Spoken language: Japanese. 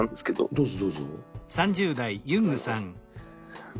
どうぞどうぞ。